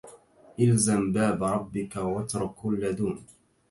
إلزم باب ربك واترك كل دون